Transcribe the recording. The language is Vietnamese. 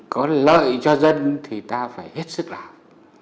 có lợi cho dân thì ta phải hết sức làm